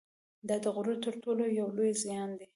دا د غرور تر ټولو یو لوی زیان دی